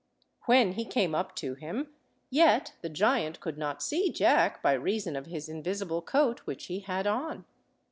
When he came up to him, yet the giant could not see Jack, by reason of his invisible coat which he had on.